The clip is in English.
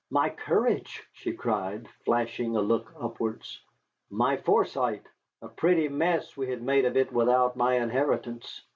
"My courage!" she cried, flashing a look upwards, "my foresight. A pretty mess we had made of it without my inheritance.